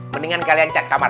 mendingan kalian cat kamar